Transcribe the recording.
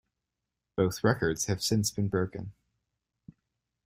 Both records have since been broken.